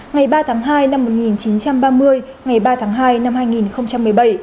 ngày ba tháng hai năm một nghìn chín trăm ba mươi ngày ba tháng hai năm hai nghìn một mươi bảy